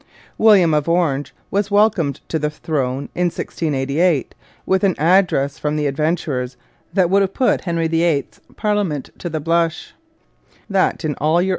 William of Orange was welcomed to the throne, in 1688, with an address from the adventurers that would have put Henry VIII's parliament to the blush: 'that in all yr.